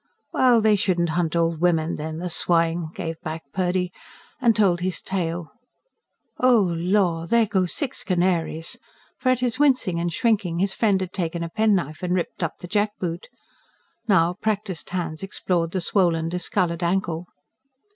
"Well, they shouldn't hunt old women, then the swine!" gave back Purdy; and told his tale. "Oh, lor! there go six canaries." For, at his wincing and shrinking, his friend had taken a penknife and ripped up the jackboot. Now, practised hands explored the swollen, discoloured ankle.